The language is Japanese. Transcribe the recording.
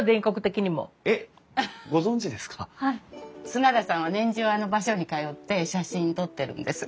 砂田さんは年中あの場所に通って写真撮ってるんです。